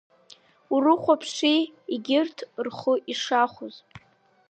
Урыхәаԥши егьырҭ рхы ишахәаз!